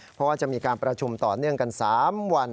เพราะว่าจะมีการประชุมต่อเนื่องกัน๓วัน